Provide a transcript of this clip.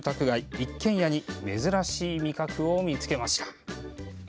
一軒家に珍しい味覚を見つけました。